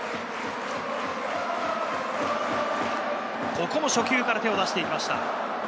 ここも初球から手を出していきました。